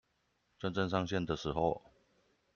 真正上線的時候